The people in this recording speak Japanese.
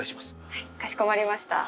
はいかしこまりました。